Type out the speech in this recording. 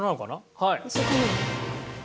はい。